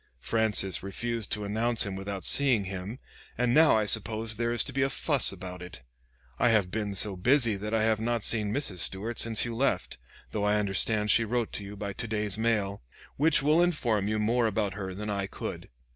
Francis refused to announce him without seeing him, and now I suppose there is to be a fuss about it. I have been so busy that I have not seen Mrs. Stuart since you left, though I understand she wrote you by to day's mail, which will inform you more about her than I could.